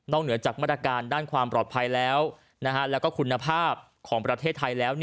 เหนือจากมาตรการด้านความปลอดภัยแล้วแล้วก็คุณภาพของประเทศไทยแล้ว